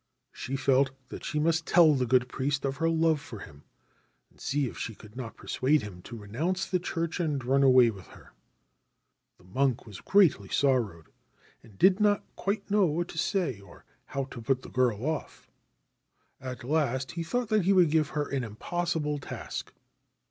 She felt that she must tell the good priest of her love for him, and see if she could not persuade him to renounce the Church and run away with her. 8 The monk was greatly sorrowed, and did not quite know what to say, or how to put the girl off. At last he thought that he would give her an impossible task.